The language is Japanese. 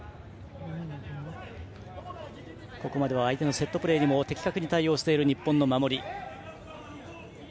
ここまで相手のセットプレーにも的確に対応している日本の守り。